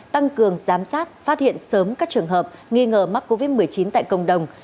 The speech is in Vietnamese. tăng cường giám sát phát hiện sớm các trường hợp nghi ngờ mắc covid một mươi chín tại cộng đồng